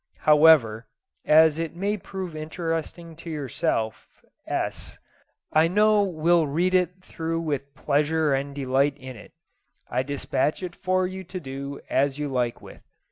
However, as it may prove interesting to yourself S I know will read it through with pleasure and delight in it I dispatch it for you to do as you like with.